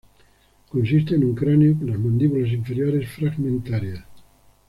Consiste en un cráneo con las mandíbulas inferiores fragmentarias.